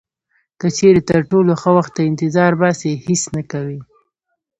که چیرې تر ټولو ښه وخت ته انتظار باسئ هیڅ نه کوئ.